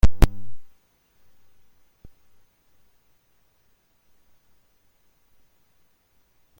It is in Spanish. Barras de acero inoxidable materializan los accesos y servicios, de los edificios.